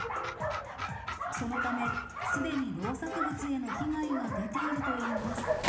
そのため、すでに農作物への被害が出ているといいます。